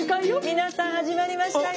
皆さん始まりましたよ！